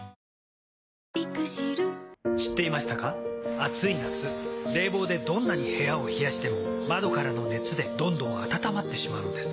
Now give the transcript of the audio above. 暑い夏冷房でどんなに部屋を冷やしても窓からの熱でどんどん暖まってしまうんです。